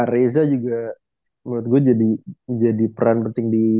reza juga menurut gue jadi peran penting di